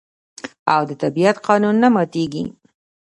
او د طبیعت قانون نه ماتیږي.